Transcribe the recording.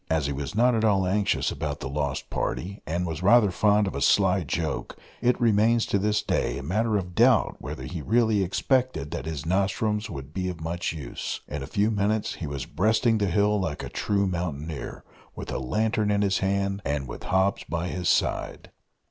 As he was not at all anxious about the lost party, and was rather fond of a sly joke, it remains to this day a matter of doubt whether he really expected that his nostrums would be of much use. In a few minutes he was breasting the hill like a true mountaineer, with a lantern in his hand, and with Hobbs by his side.